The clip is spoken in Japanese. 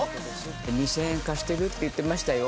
「２０００円貸してるって言ってましたよ」